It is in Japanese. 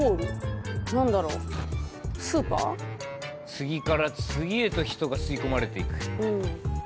次から次へと人が吸い込まれていく。